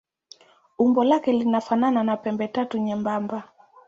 Umbo lake linafanana na pembetatu nyembamba.